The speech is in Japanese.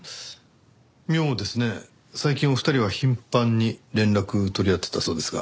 妙ですね最近お二人は頻繁に連絡取り合ってたそうですが。